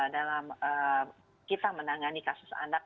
dalam kita menangani kasus anak